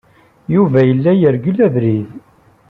Yuba yella yergel abrid.